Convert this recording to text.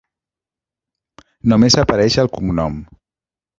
Només apareix el cognom.